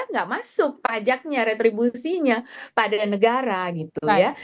nggak masuk pajaknya retribusinya pada negara gitu ya